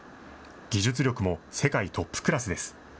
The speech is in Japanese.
技術力も世界トップクラスです。